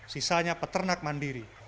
sisanya peternak mandiri